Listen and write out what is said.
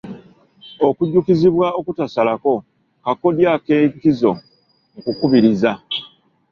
Okujjukizibwa okutasalako kakodya ak'enkizo mu kukubiriza.